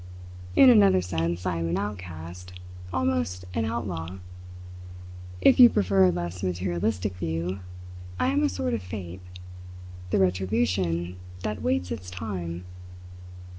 In another sense I am an outcast almost an outlaw. If you prefer a less materialistic view, I am a sort of fate the retribution that waits its time."